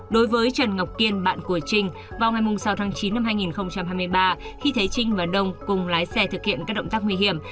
đối với trần ngọc kiên bạn của trinh vào ngày sáu tháng chín năm hai nghìn hai mươi ba khi thấy trinh và đông cùng lái xe thực hiện các động tác nguy hiểm